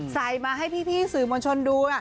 ใส่มาให้พี่สื่อมวลชนดู